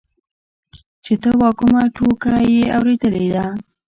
چې ته وا کومه ټوکه يې اورېدلې ده.